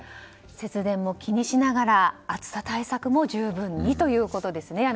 節電も気にしながら暑さ対策も十分にということですね。